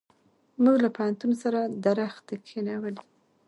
موږ له پوهنتون سره درختي کښېنولې.